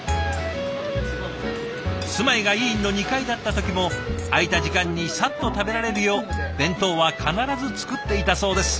住まいが医院の２階だった時も空いた時間にさっと食べられるよう弁当は必ず作っていたそうです。